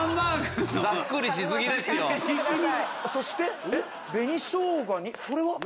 そして紅しょうがにそれは？